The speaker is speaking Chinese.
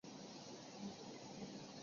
该画现收藏于梵蒂冈的梵蒂冈博物馆。